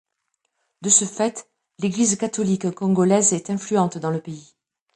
De ce fait, l'Église catholique congolaise est influente dans le pays.